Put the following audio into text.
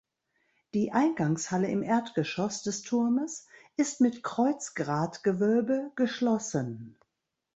Die Eingangshalle im Erdgeschoss des Turmes ist mit Kreuzgratgewölbe geschlossen.